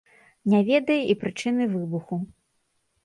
Не ведае і прычыны выбуху.